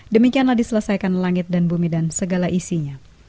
demikianlah diselesaikan langit dan bumi dan segala isinya